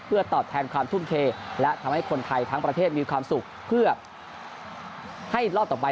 เพื่อตอบแทนความทุ่มเทและทำให้คนไทยทั้งประเทศมีความสุขเพื่อให้รอบต่อไป